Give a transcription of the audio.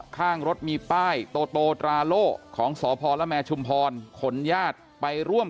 ข้างรถมีป้ายโตตราโล่ของสพลชุมพรขนญาติไปร่วม